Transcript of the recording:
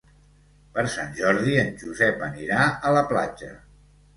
Per Sant Jordi en Josep anirà a la platja.